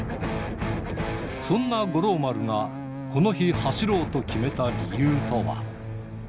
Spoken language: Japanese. そんな五郎丸がこの日、走ろうと決めた理由とは。